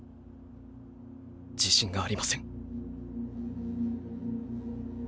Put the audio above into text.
自信がありません。